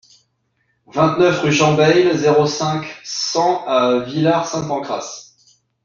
vingt-neuf rue Jean Bayle, zéro cinq, cent à Villar-Saint-Pancrace